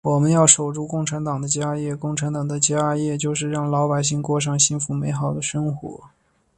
我们要守住共产党的家业，共产党的家业就是让老百姓过上幸福美好的生活。